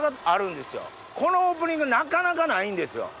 このオープニングなかなかないんですよ。